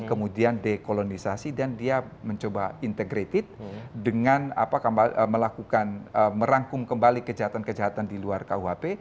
kemudian dekolonisasi dan dia mencoba integrated dengan melakukan merangkum kembali kejahatan kejahatan di luar kuhp